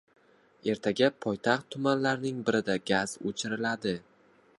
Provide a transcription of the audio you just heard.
Ertaga poytaxt tumanlaridan birida gaz o‘chiriladi